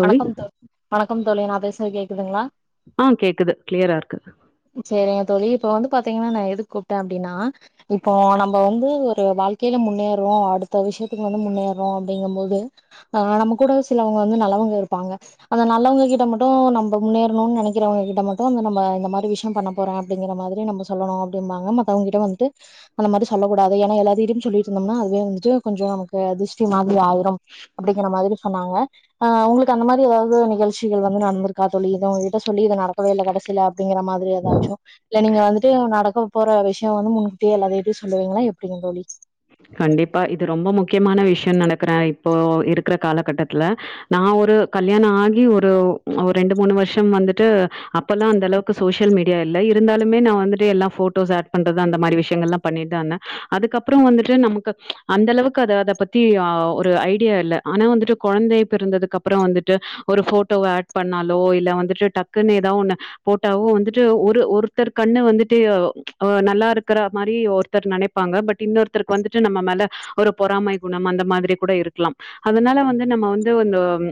தோழி வணக்கம் தோ வணக்கம் தோழி நா பேஸ் து கேக்குதுங்ளா ஆ கேக்குது க்ளியரா இருக்கு பாத்தீங்னா நா எதுக் கூப்டே அப்டின்னா இப்போ நம்போ வந்தூ ஒரு வாழ்க்கேயில முன்னேறுவோ அடுத்த விஷயத்துக்கு வந்து முன்னேர்றோ அப்டிங்கும் போது ஆஹ் நம்ம கூட சிலவங்க வந்து நல்ல வங்க இருப்பாங்க அந்த நல்லவங்க கிட்ட மட்டூ நம்ப முன்னேர்னுன் நெனைக்கிறவங்ககிட்ட மட்டுந்த நம்ப இந்த மாரி விஷ்யம் பண்ண போறே அப்டிங்கிற மாதிரி நம்ப சொல்லணு அப்டின்பாங்க மக்கவங் கிட்ட வந்துட்டு அந்தமாத்ரி சொல்லகூடாது ஏன எல்லாத்கீட்யும் சொல்லிட்ருந்தம்னா அதுவே வந்துட்டு கொஞ்சோ நமக்கு அ திர்ஷ்டி மாத் ரி ஆயிரும் அப்டிங்கிற மாதிரி சொன்னாங்க ஆஹ் அவுங்ளுக்கு அந்த மாரி எதாவது நிகழ்ச்சிகள் வந்து நடந்திருக்கா தோழி இது உங்கிட்ட சொல்லி இது நடக்கவே இல்ல கடைசில அப்டிங்கற மாதிரி எதாச்சும் இல்ல நீங்க வந்துட்டு நடக்க போற விஷ்யோ வந்து முன்கூட்டியே எல்லாதுகிட்யு சொல்லுவீங்களா எப்டிங் தோழி கண்டிப்பா இது ரொம்ப முக்கியமான விஷ்யன் நெனக்கிறா இப்போ இருக்ற காலகட்டத்ல நா ஒரு கல்யாண ஆகி ஒரு ஒர் ரெண்டு மூணு வர்ஷம் வந்துட்டு அப்பல்லா அந்த அளவுக்கு சோஷியல் மீடியா இல்ல இருந்தாலுமே நா வந்துட்டு எல்லா ஃபோட்டோஸ் ஆட் பண்றது அந்த மாரி விஷ்யங்கள்ல பண்ணிட்தா அதுக்கப்றோ வந்துட் டு நம்க்கு அந்தளவுக்கு அத அத பத்தி அ ஒரு ஐடியா இல்ல ஆனா வந்துட்டு கொழந்தை பிறந்ததுக் அப்புறோ வந்துட்டு ஒரு போட்டோ ஆட் பண்ணாலோ இல்ல வந்துட்டு டக்குன்னு எதாவ் ஒன்னு போட்டாவோ வந்துட்டு ஒரு ஒருத்தர் கண்ணு வந்துட்டு ஆஹ் நல்லாருக்கற மாரி ஒருத்தர் நெனைப்பாங்க பட் இன்னொருத் தர்க் வந்துட்டு நம்ம மேல ஒரு பொறாமை குணம் அந்த மாதிரி கூட இருக்லம். அதனால வந்து நம்ம வந்து வந்தாவ்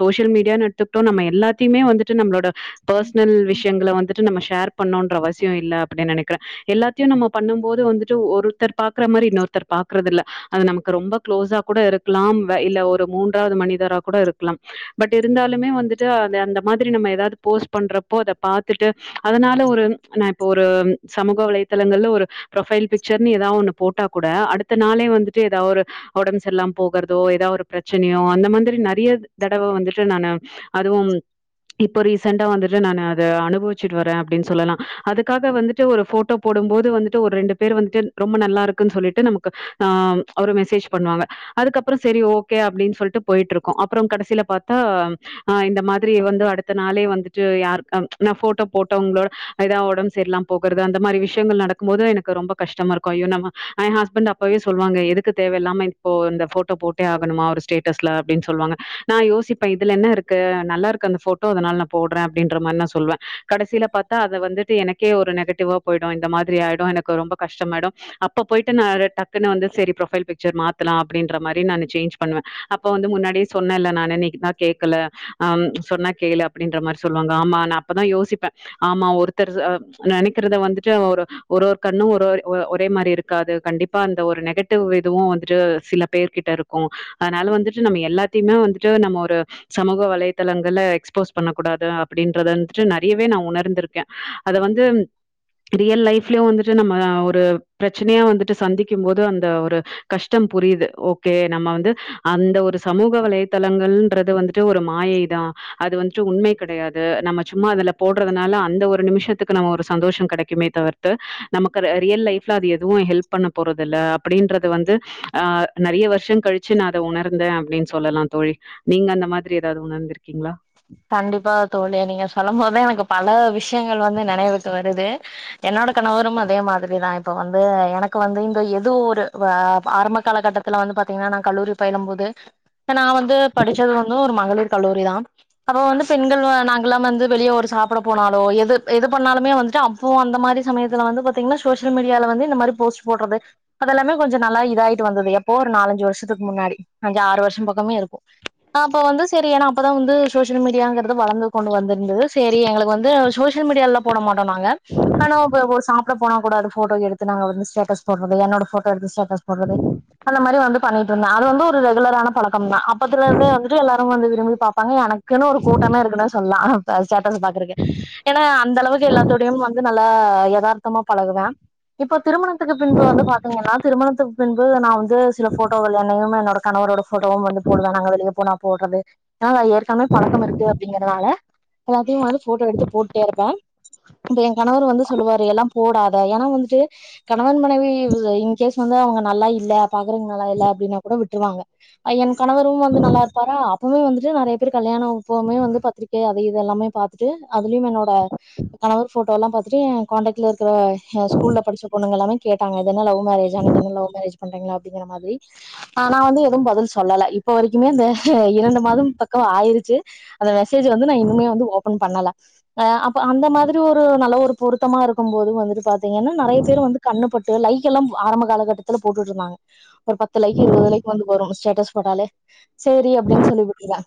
சோஷியல் மீடியானு எடுத்துக்ட்டோ நம்ம எல்லாத்திமே வந்துட்டு நம்ளோட பர்சனல் விஷ் எங்கள வந்துட்டு நம்ம ஷேர் பண்ணோன்றவசியோ இல்ல அப்டி நெனைக்கிறே. எல்லாத்தியு நம்ம பண்ணும்போது வந்துட்டு ஒருத்தர் பாக் க்ற மாரி இன்னொருத்தர் பாக்குறதில்ல அது நமக்கு ரொம்ப க்ளோஸா கூட இருக்கலா வே இல்ல ஒரு மூன்றாது மனிதரா கூட இருக்கலா பட் இருந்தாலுமே வந்துட்டு அந் அந்த மாதிரி நம்ம எதாது போஸ்ட் பண்றப்போ அத பாத்துட்டு அதனால ஒரு நா இப்ப ஒரு சமூக வலைதளங்கள்ல ஒரு ஃப்ரொஃபைல் பிக்ச்சர்னு எதாவொண்ணு போட்டா கூட அடுத்த நாளே வந்துட்டு எதாவொரு ஒடம்பு செர்லாம போகறதோ எதாவொரு பிரச்சினையோ அந்த மாந்திரி நெறைய தடவ வந்துட்டு நானு அதுவு இப்ப ரீசண்ட்டா வந்துட்டு நானு அத அனுபவிச்சிட்டு வரே அப்டின்னு சொல்லலா அதுக்காக வந்துட்டு ஒரு போட்டோ போடும் போது வந்துட்டு ஒரு ரெண்டு பேரு வந்துட்டு ரொம்ப நல்லாருக் குன்னு சொல்லிட்டு நமக்கு ஆ ஒரு மெசேஜ் பண்ணுவாங்க அதுக்கப்பற செரி ஓகே அப்டின்னு சொல்ட்டு போயிட்ருக்கோ அப்றங் கடசில பாத்தா ஆ இந்த மாதிரி வந்து அடுத்த நாளே வந்துட்டு யாருக்காம் நா ஃபோட்டோ போட்டவங்களோட எதா ஒடம்ப் செரிலா போகுறது அந்த மாரி விஷ்யங்கள் நடக்கும் போது எனக்கு ரொம்ப கஷ்டமா இருக்கு ஐயோ நம்ம ஏ ஹஸ்பண்ட் அப்பவே சொல்வாங்க எதுக்கு தேவயில்லாம இப்போ இந்த ஃபோட்டோ போட்டே ஆகணுமா ஒரு ஸ்டேட்டஸ்ல அப்டின் சொல்வாங்க நா யோசிப்பே இதுல என்ன இருக்கு நல்லாருக்கு அந்த ஃபோட்டோ அதனால நா போட்றே அப்டின்ற மாரி நா சொல்வே கடசில பாத்தா அத வந்துட்டு எனக்கே ஒரு நெகட்டிவா போய்டு இந்த மாதிரி ஆயிடு எனக்கு ரொம்ப கஷ்டமாயிடு அப்ப போய்ட்டு நா அத டக்குனு வந்து செரி ப்ரொஃபைல் பிக்ச்சர் மாத்தலா அப்டின்ற மாரி நானு சேஞ்ச் பண்ணுவே அப்ப வந்து முன்னாடியே சொன்னேல நானு நீக்குதா கேக்கல ஆ ம் சொன்னா கேளு அப்டின்ற மாரி சொல்வாங்க ஆமா நா அப்பதா யோசிப்பே ஆமா ஒருத்தர் ஆ நெனைக்கிறத வந்துட்டு ஒரு ஒரு ஒரு கண்ணும் ஒருவொரு ஒ ஒரே மாரி இருக்காது கண்டிப்பா அந்த ஒரு நெகட்டிவ் இதுவு வந்துட்டு சில பேர் கிட்ட இருக்கு அதனால வந்துட்டு நம்ம எல்லாத்தியுமே வந்துட்டு நம்ம ஒரு சமூக வலைதளங்கல எக்ஸ்போஸ் பண்ண கூடாது அப்டின்றதந்துட்டு நெறையவே நா உணர்ந்திருக்கே அத வந்து ரியல் லைஃப்லியு வந்துட்டு நம்ம ஒரு ப்ரச்சனயா வந்துட்டு சந்திக்கும் போது அந்த ஒரு கஷ்டம் புரியுது ஓகே நம்ம வந்து அந்த ஒரு சமூக வலைதளங்கள்ன்றது வந்துட்டு ஒரு மாயை தா அது வந்துட்டு உண்மை கெடையாது நம்ம சும்மா அதுல போட்றதுனால அந்த ஒரு நிமிஷத்துக்கு நம்ம ஒரு சந்தோஷம் கெடைக்குமே தவிர்த்து நமக்கு ரெ ரியல் லை ஃப்ல அது எதுவு ஹெல்ப் பண்ண போறதில்ல அப்டின்றது வந்து ஆ நெறைய வருஷங் கழிச்சு நா அத உணர்ந்தே அப்டின் சொல்லலாந் தோழி நீங்க அந்த மாதிரி எதாது உணர்ந்திருக்கீங்களா கண்டிப்பா தோழி நீங்க சொல்லம் போதே எனக்கு பல விஷ் சியங்கள் வந்து நெனைவுக்கு வருது. என்னோட கணவரும் அதே மாதிரிதா இப்ப வந்து எனக்கு வந்து இந்த எதோ ஒரு வா ஆரம்ப கால கட்டத்துல வந்து பாத்தீங்னா நா கல்லூரி பயிலும் போது நா வந்து படிச்சது வந்து ஒரு மகளிர் கல்லூரி தா அப்ப வந்து பெண்கள் வா நாங்லாம் வந்து வெளிய ஒரு சாப்ட போனாலோ எது எது பண்ணாலுமே வந்துட்டு அப்போ அந்த மாரி சமயத்துல வந்து பாத்தீங்ன்னா சோஷியல் மிடியால வந்து இந்த மாரி போஸ்ட் போட்றது அதெல்லாமே கொஞ்ச நல்லா இதாயிட்டு வந்தது எப்போ ஒரு நாலஞ்சு வருஷத்துக் முன்னாடி அஞ்சு ஆறு வருஷம் பக்கமே இருக்கு அப்ப வந்து சரி எனா அப்பதா வந்து சோஷியல் மிடியாங்றது வளந்து கொண்டு வந்துருந்தது சேரி எங்ளுக்கு வந்து சோஷியல் மிடியாலலா போட மாட்டோ நாங்க ஆனா ஓப்ப ஓர் சாப்ட போனா கூட அது ஃபோட்டோ எடுத்து நாங்க வந்து ஸ்டேட்டஸ் போட்றது என்னோட ஃபோட்டோ எடுத்து ஸ்டே ட்டஸ் போட்றது அந்த மாரி வந்து பண்ணிட்ருந்தே அது வந்து ஒரு ரெகுலரான பழக்கம் தா அப்பத்துல இருந்தே வந்துட்டு எல்லாரும் வந்து விரும்பி பாப்பாங்க எனக் குன்னு ஒரு கூட்டமே இருக்குன்னு சொல்லா அப் ஸேட்டஸ் பாக்குறக்க ஏன்னா அந்த அளவுக்கு எல்லாத்தோடையும் வந் து நல்லா எதார்த்தமா பழகுவே இப்ப திருமணத்துக்கு பின்பு வந்து பாத்தீங்கன்னா திருமணத்துக்கு பின்பு நா வந்து சில ஃபோட்டோகள் என்னையும் என்னோட கணவரோட போட்டோவும் வந்து போடுவே நாங்க வெளிய போனா போட்றது ஆ ஏற்கனவ் வழக்கமா இருக்கு அப்டிங்கறனால எல்லாத்தி வந் ஃபோட்டோ எடுத்து போட்டே இருப்பே இம்ப எ கணவரு வந்து சொல்லுவாரு எல்லா போடாத ஏன்னா வந்துட்டு கணவன் மனைவி இன்கேஸ் வந்து அவுங்க நல்லா இல்லா பாக்றங் நல்ல இல்ல அப்டினா கூட டுறுவாங்க ஐ என் கணவரு வந்து நல்லா இருப்பாரா ப்புமே வந்துட்டு நெறைய பேருக் கல்யானோ உப்பவுமே வந்து பத்ரிக்கே அது இது எல்லாமே பாத்துட்டு அதுலியு என்னோட கணவர் ஃபோட்டோலா பாத்துட்டூ ஏ காண்டாக்ட்ல இருக்கிற ஆ ஸ்கூல்ல படிச்ச பொண்ணுங்க எல்லாமே கேட்டாங்க இதென்ன லவ் மேரேஜா நீங்க என்ன லவ் மேரேஜ் பண்றீங்ளா அப்டிங்கிற மாதிரி ஆ நா வந்து எதுவு பதில் சொல்லல இப்ப வரைக்குமே அந்த இரண்டு மாதம் பக் க்கோ ஆயிருச்சு அந்த மெசேஜ் வந்து நா இன்னுமே வந்து ஓபன் பண்ணல ஆ அப்ப அந்த மாதிரி ஒரு நல்ல ஒரு பொருத்தமா இருக்கு போது வந்துட்டு பாத்தீங்கன்னா நெறைய பேர் வந்து கண்ணுப்பட்டு லைக் எல்லாம்ப் ஆரம்ப கால கட்டத்துல போட்டுட்ருந்தாங்க ஒரு பத்து லைக்கி இருவது லைக் வந்து வரு ஸ் சேட்டஸ் போட்டாலே சேரி அப்டின் சொல்லி விட்ருவே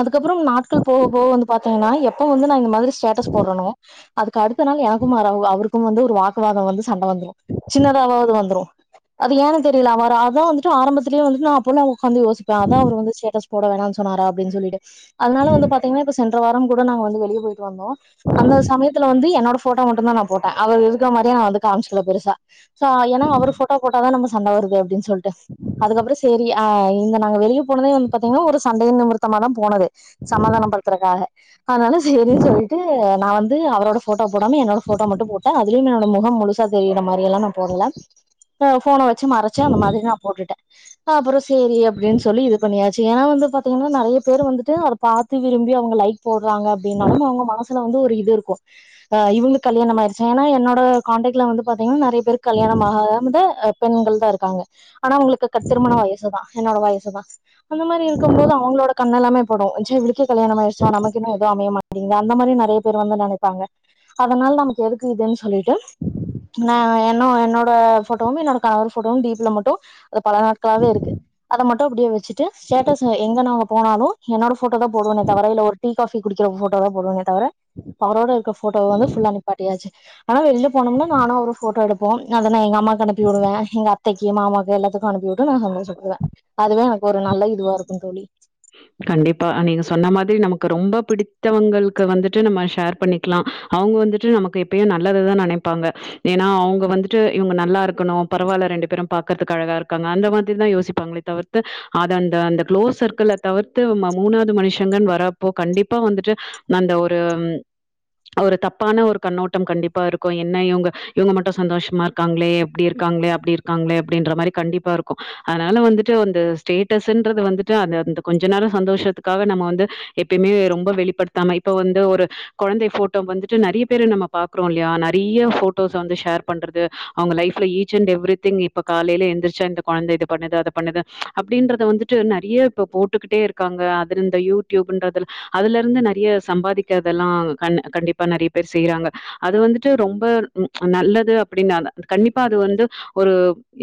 அதுக்கப்றம் நாட்கள் போக போக வந்து பாத்தீங்கன்னா எப்ப வந்து நா இந்த மாதிரி ஸ்டேட்டஸ் போட்றனோ அதுக்கடுத்த நாள் எனக்கு மா அ அவருக்கும் வந்து ஒரு வாக்குவாத வந்து சண்ட வந்துரு சின்னதாவாது வந்துரு அது ஏன்னு தெரியில அவரு அதா வந்துட்டு ஆரம்பத்துலேயே வந்துட்டு நா அப்போலா ஒ உக்காந்து யோசிப்பே அதா அவரு வந்து ஸ்டேடஸ் போட வேணான் சொன்னாரா அப்டின் சொல்லிட்டு அதனால வந்து பாத்தீங்கன்னா இப்ப சென்ற வாரம் கூட நாங்க வந்து வெளியே போயிட்டு வந்தோ அந்த சமயத்துல வந்து என்னோட ஃபோட்டோ மட்டுந்தா நா போட்டே அவரு இருக்க மாரியே நா வந்து காமச்சுக்கல பெருசா சா ஏன்னா அவரு ஃபோட்டோ போட்டாதா நம்ம சண்ட வருது அப்டின்னு சொல்ட்டு அதுக்கப்றோ சேரி ஆ இந்த நாங்க வெளியப் [unintelligible] வந்து பாத்தீங்கன்னா ஒரு ஸ் சண்டையு நிமிர்த்தமா தா போனது சமாதானப்படுத்துறக்காக அதனால சேரின்னு சொல்ட்டு நா வந்து அவரோட ஃபோட்டோ போடாம என்னோட ஃபோட்டோ மட்டு போட்டே அதுலயு என்னோட முகம் முழுசா தெரியுற மாரியல்லா நா போடல போ ஃபோன வச்சு மறைச்ச அந்த மாதிரி தா போட்டுட்டே ஆ அப்றோ செரி அப்டின் சொல்லி இது பண்ணியாச்சு ஏன்னா வந்து பாத் [unintelligible] நெறைய பேரு வந்துட்டு அத பாத்து விரும்பி அவுங்க லைக் போட்றாங்க அப்டின்னாலு அவங்க மனசுல வந்து ஒரு இது இருக்கு ஆ இவுங்களுக்கு கல்யாணமாயிருச்சா ஆனா என்னோட காண்டாக்ட்ல வந்து பாத்தீங்கன்னா நறையப் பேருக்கு கல்யாணமாகாமதா ஆ பெண்கள் தா இருக்காங்க ஆனா அவங்களுக்கு க திருமண வயசுதா என்னோட வயசுதா அந்த மாரி இருக் கும் போது அவங்களோட கண்ணெல்லாமே படு ச்ச இவளுக்கே கல்யாணமாயிருச்சா நமக்கு இன்னு எது அமைய மாட்டங்கிது அந்த மாரி நெறைய பேரு வந்து நெனைப்பாங்க அதனால நமக்கு எதுக்கு இதுன்னு சொல்லிட்டு நா நா என்னோட ஃபோட்டோவு என்னோட கணவர் போட்டோவு டீபில மட்டு அது பல நாட்களாவே இருக்கு அத மட்டு அப்டியே வச்சுட்டு ஸ்டேடஸ் எ எங்க நாங்க போனாலு என்னோட ஃபோட்டோ தா போடுவேனே தவர இல்ல ஒரு டீ காஃபி குடிக்கிற ஃபோட்டோ தா போடுவேனே தவர அவரோட இருக்க ஃபோட்டோவ வந்து ஃபுல்லா நிப்பாட்டியாச்சு ஆனா வெளில போனோம்னா நானு அவரு ஃபோட்டோ எடுப்போ அத நா எங்க அம்மாக்கு அனுப்பி விடுவே எங்க அத்தைைக்கு மாமாக்கு எல்லாத்துக்கு அனுப்பிவுட்டு நா சந்தோஷப்படுவே அதுவே எனக்கு ஒரு நல்ல இதுவா இருக் ம் தோழி கண்டிப்பா நீங்க சொன்ன மாதிரி நமக்கு ரொம்ப பிடித்தவங்களுக்கு வந்துட்டு நம்ம ஷேர் பண்ணிக்கலா அவங்க வந்துட்டு நமக்கு எப்பயு நல்லததா நெனைப்பாங்க ஏன்னா அவுங்க வந்துட்டு இவங்க நல்லாருக்கணு பரவால்ல ரெண்டு பேரு பாக்கறதுக்கு அழகாருக்காங்க அந்த மாதிரிதா யோசிப்பாங்களே தவிர்த்து அது அந்த அந்த க்ளோஸ் சர்க்கிள்ல தவிர்த்து நம்ம மூணாவது மனுஷங்கன்னு வரப்போ கண்டிப்பா வந்துட்டு அந்த ஒரு ஒரு தப்பான ஒரு கண்ணோட்டம் கண்டிப்பா இருக்கு என்ன இவங்க இவங்க மட்டு சந்தோஷமாருக்காங்களே இப்டிருக்காங்களே அப்டிருக்காங்களே அப்டின்ற மாரி கண்டிப்பாருக்கு அதனால வந்துட்டு அந்த ஸ்டேட்டஸுன்றது வந்துட்டு அத அந்த கொஞ்ச நேரோ சந்தோஷத்துக்காக நம்ம வந்து எப்பயுமே ரொம்ப வெளிப்படுத்தாம இப்ப வந்து ஒரு கொழந்தை ஃபோட்டோ வந்துட்டு நறைய பேர நம்ம பாக்குறோ இல்லையா நறைய ஃபோட்டோஸ வந்து ஷேர் பண்றது அவங்க லைஃப்ல ஈச் அண்ட் எவ்ரிதிங் இப்ப காலையில எந்திரிச்சா இந்த கொழந்த இது பண்ணுது அது பண்ணுது அப்டின்றத வந்துட்டு நறைய இப்ப போட் ட்டுத்துக்கிட்டேருக்காங்க அதுல இந்த யூடியூபுன்றது அதுலருந்து நறைய சம்பாதிக்கிறதல்லா கண் கண்டிப்பா நறைய பேர் செய்றாங்க அது வந்துட்டு ரொம்ப நல்லது அப்டின்னால கண்டிப்பா அது வந்து ஒரு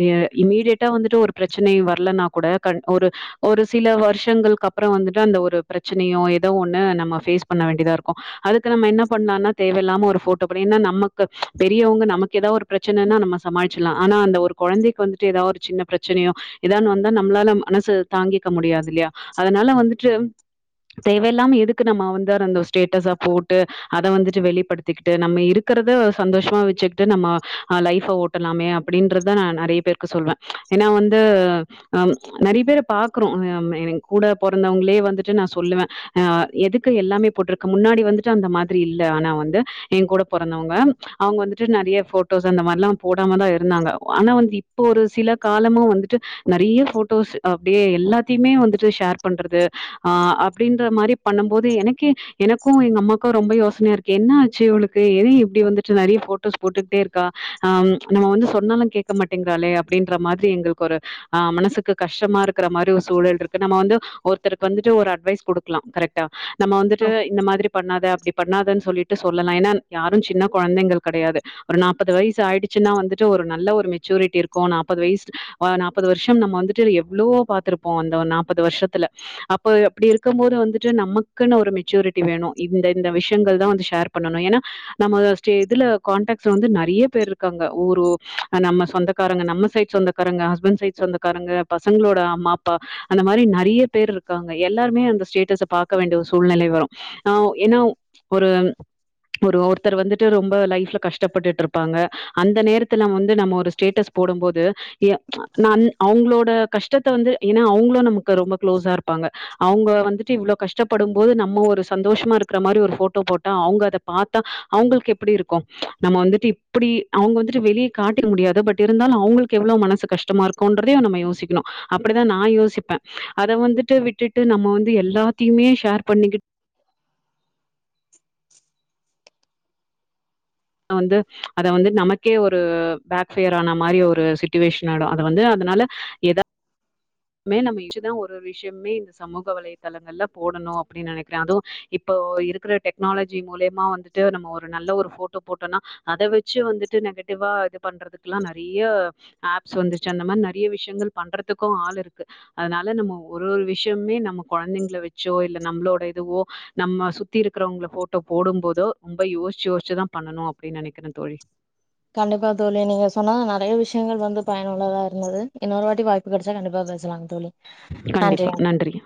எ இம்மிடியட்டா வந்துட்டு ஒரு ப்ரச்சனை வரலனா கூட கண் ஒரு ஒரு சில வருஷ் ஷங்களுக்கு அப்றோ வந்துட்டு அந்த ஒரு பிரச்சனையோ எதோ ஒன்னு நம்ம ஃபேஸ் பண்ண வேண்டியதாருக்கு அதுக்கு நம்ம என்ன பண்லான்னா தேவையில்லாம ஒரு ஃபோட் தொ அப்டின்னா நமக்கு பெரியவங்க நமக்கு எதா ஒரு பிரச்சனன்னா நம்ம சமாளிச்சிலாம் ஆனா அந்த ஒரு கொழந்தைக்கு வந்துட்டு எதா ஒரு சின்ன பிரச்சனையோ எதான் வந்தா நம்மளால மனசு தாங்கிக்க முடியாதில்லையா அதனால வந்துட்டு தேவையில்லாம எதுக்கு நம்ம வந்து ரந்தோஷ் ஸ்டேட்டஸா போட்டு அத வந்துட் டு வெளிப்படுத்திக்கிட்டு நம்ம இருக்கிறத சந்தோஷமா வச்சுக்கிட்டு நம்ம ஆ லைஃப்ப ஓட்டலாமே அப்டின்றதுதா நா நறைய பேருக்கு சொல்வே ஏன்னா வந்து அம் நறைய பேர பாக்குறோ [unintelligible] எனக் கூட பொறந்தவங்ளையே வந்துட்டு நா சொல்லுவே ஆ எதுக்கு எல்லாமே போட்டிருக்க முன்னாடி வந்துட்டு அந்த மாதிரி இல்ல ஆனா வந்து ஏங்கூட பொறந்தவங்க அவங்க வந்துட்டு நறைய ஃபோட்டோஸ் அந்த மாரிலா போடாமதா இருந்தாங்க ஆனா வந்து இப்போ ஒரு சில காலமா வந்துட்டு நறைய ஃபோட்டோஸ் அப்டியே எல்லாத்தையுமே வந்துட் டு ஷேர் பண்றது ஆ அப்டின்ற மாரிப் பண்ணும் போது எனக்கே எனக்கு எங்கம்மாக்கு ரொம்ப யோசனையா இருக்கு என்ன ஆச்சு இவளுக்கு எது இப்டி வந்துட்டு நறைய ஃபோட்டோஸ் போட்டுட்டேருக்கா ஆ நம்ம வந்து சொன்னாலு கேக்க மாட்டேங்கிறாளே அப்டின்ற மாதிரி எங்களுக்கு ஒரு ஆ மனசுக்கு கஷ்டமாருக்கிற மாரி ஒரு சூழல்ருக் இப்ப நம்ம வந்து ஒருத்தருக்கு வந்துட்டு ஒரு அட்வைஸ் குடுக்கலா கரெக்டா நம்ம வந்துட்டு இந்த மாதிரி பண்ணாத அப்டிப் பண்ணாதன்னு சொல்லிட்டு சொல்லலா ஏனா யாரு சின்ன கொழந்தைங்கள் கெடையாது ஒரு நாப்பது வயசு ஆயிடுச்சுன்னா வந்துட்டு ஒரு நல்ல ஒரு மெச்சூரிட்டி இருக்கு நாப்பது வயசு ஆ நாப்பது வருஷம் நம்ம வந்துட்டு இதுல எவ்ளோ பாத்துருப்போ அந்த நாப் பது வருஷத்துல அப்ப அப்டிருக்கும் போது வந்துட்டு நமக்குன்னு ஒரு மெச்சூரிட்டி வேணு இந்த இந்த விஷ்யங்கள் தா வந்து ஷேர் பண்ணணு ஏனா நம்ம ஸ்டே இதுல காண்டாக்ட்ஸ் வந்து நறைய பேர் இருக்காங்க ஊரு நம்ம சொந்தக்காரங்க நம்ம சைட் சொந்தக்காரங்க ஹஸ்பண்ட் சைட் சொந்தக்காரங்க பசங்களோட அம்மா அப்பா அந்த மாரி நறைய பேர் இருக்காங்க எல்லாருமே அந்த ஸ்டேட்டஸ பாக்க வேண்டிய ஒரு சூழ்நிலை வரு ஆ ஏனா ஒரு ஒரு ஒருத்தர் வந்துட்டு ரொம்ப லைஃப்ல கஷ்டப்பட்டுட்ருப்பாங்க அந்த நேரத்துல நம்ம வந்து நம்ம ஒரு ஸ்டேட்டஸ் போடும்போது எ [unintelligible] அவுங்களோட கஷ்டத்த வந்து ஏனா அவுங் [unintelligible] நமக்கு ரொம்ப க்ளோஸா இருப்பாங்க அவுங்க வந்துட்டு இவ்ளோ கஷ்டப்படும் போது நம்ம ஒரு சந்தோஷமா இருக்கிற மாரி ஒரு ஃபோட்டோ போட்டா அவுங்க அத பாத்தா அவுங்களுக்கு எப்டிருக்கு நம்ம வந்துட்டு இப்டி அவுங்க வந்துட்டு வெளிய காட்டிக்க முடியாது பட் இருந்தாலு அவுங்களுக்கு எவ்ளோ மனசு கஷ்டமாருக்குன்றதையு நம்ம யோசிக்கணு அப்டிதா நா யோசிப் ஆ அத வந்துட்டு விட்டுட்டு நம்ம வந்து எல்லாத்திமே ஷேர் பண்ணிக்கிட் நா வந்து அத வந்து நமக்கே ஒரு பேக் ஃபயர் ஆன மாரி ஒரு சுட்டுவேஷன் ஆயிடு அது வந்து அதனால எதா மே நம்ம யுச்சுதா ஒர் ஒர் விஷ்யமே இந்த சமூக வலைதளங்கள்ல போடணோ அப்டி நெனக்றே அதுவு இப்போ இருக்கற டெக்னாலஜி மூலே மா வந்துட்டு நம்ம ஒரு நல்ல ஒரு ஃபோ டோ போட்டனா அத வெச்சு வந்துட்டு நெகடிவ்வா இது பண்றதுக்லா நெறைய ஆப்ஸ் வந்துச்சு அந்தமா நெறைய விஷயங்கள் பண்றதுக்கோ ஆள் இருக் கு அதனால நம்ம ஒரு ஒரு விஷ்யமே நம்ம கொழந்தைங்கள வச்சோ இல்ல நம்மளோட இதுவோ நம்ம சுத்தி இருக்கௌறவங்கள ஃபோட்டோ போடும் போதோ ரொம்ப யோசிச்சு யோச்சுதா பண்ணணோ அப்டின்னு நெனைக்கிறே தோழி கண்டிப்பா தோழி நீங்க சொன்ன நெறைய விஷயங்கள் வந்து பயனுள்ளதா இருந்தது இன்னொரு வாட்டி வாய்ப்பு கெடைச்சா கண்டிப்பா பேசலாங் தோழி கண்டிப்பா நன்றிங்க நன்றியா